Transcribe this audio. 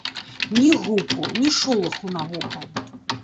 Ні гуку, ні шолаху навокал.